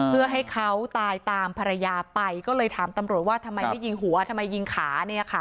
เพื่อให้เขาตายตามภรรยาไปก็เลยถามตำรวจว่าทำไมไม่ยิงหัวทำไมยิงขา